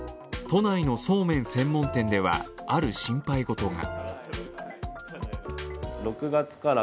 都内のそうめん専門店では、ある心配事が。